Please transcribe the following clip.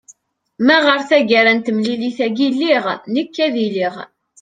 ma ɣer tagara n temlilit-agi lliɣ nekk ad iliɣ